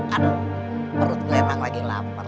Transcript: aduh perut gue emang lagi lapar